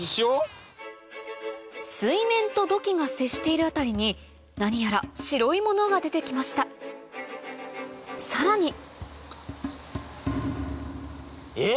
水面と土器が接している辺りに何やら白いものが出て来ましたさらにえっ？